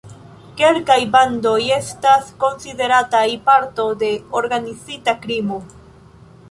Kelkaj bandoj estas konsiderataj parto de organizita krimo.